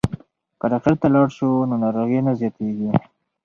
که ډاکټر ته لاړ شو نو ناروغي نه زیاتیږي.